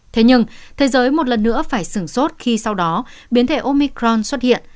thế nhưng thế giới một lần nữa phải sửng sốt khi sau đó biến thể omicron xuất hiện